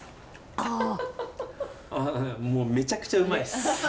ああもうめちゃくちゃうまいです！